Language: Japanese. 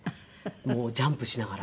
もうジャンプしながら。